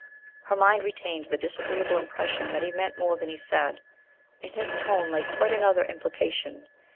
Her mind retained the disagreeable impression that he meant more than he said. In his tone lay quite another implication.